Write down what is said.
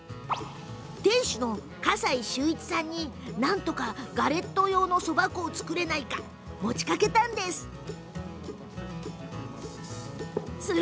店主の笠井秀一さんになんとかガレット用のそば粉を作れないか持ちかけたんです。